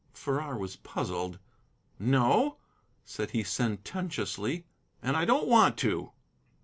Farrar was puzzled. "No," said he sententiously, "and I don't want to."